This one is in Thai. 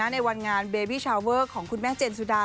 ในวันงานเบบี้ชาวเวอร์ของคุณแม่เจนสุดา